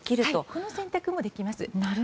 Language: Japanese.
この選択もできます。